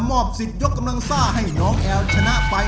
มอบ๑๐ยกกำลังซ่าให้น้องแอลชนะไป